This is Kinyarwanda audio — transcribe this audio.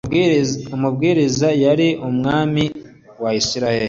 Umubwiriza yari umwami wa isiraheli